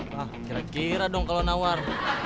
wah kira kira dong kalau nawar